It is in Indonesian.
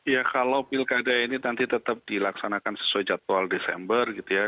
ya kalau pilkada ini nanti tetap dilaksanakan sesuai jadwal desember gitu ya